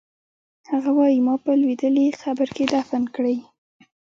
هغه وایی ما په لوېدلي قبر کې دفن کړئ